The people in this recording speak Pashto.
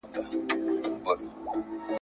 اوس به له چا سره کیسه د شوګیریو کوم ,